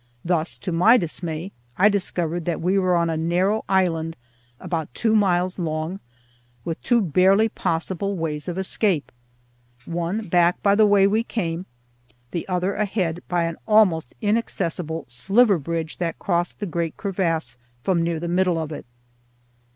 Thus to my dismay I discovered that we were on a narrow island about two miles long, with two barely possible ways of escape: one back by the way we came, the other ahead by an almost inaccessible sliver bridge that crossed the great crevasse from near the middle of it!